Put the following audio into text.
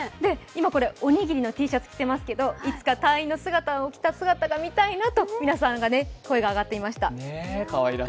今おにぎりのＴシャツ着ていますけれどもいつか隊員の姿をした姿も見たいなと皆さんの声が上がっていました。